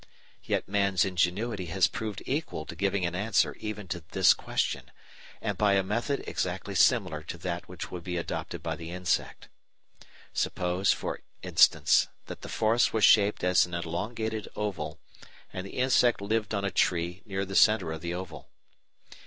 Yet man's ingenuity has proved equal to giving an answer even to this question, and by a method exactly similar to that which would be adopted by the insect. Suppose, for instance, that the forest was shaped as an elongated oval, and the insect lived on a tree near the centre of the oval.